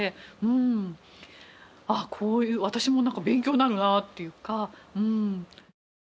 あっこういう私もなんか勉強になるなっていうかうん。